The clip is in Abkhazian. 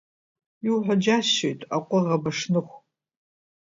Иуҳәо џьасшьоит, аҟәыӷа Башныхә.